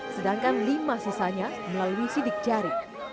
sedangkan lima sisanya melalui sidik jari